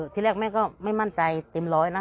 ที่แรกแม่ก็ไม่มั่นใจเต็มร้อยนะ